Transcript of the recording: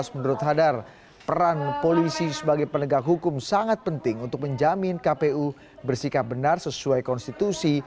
menurut hadar peran polisi sebagai penegak hukum sangat penting untuk menjamin kpu bersikap benar sesuai konstitusi